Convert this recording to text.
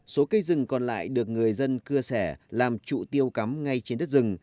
số cây rừng còn lại được người dân cưa sẻ làm trụ tiêu cắm ngay trên đất rừng